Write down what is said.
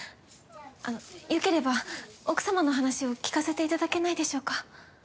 あの良ければ奥様の話を聞かせていただけないでしょうか。